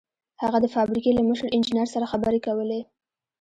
هغه د فابريکې له مشر انجنير سره خبرې کولې.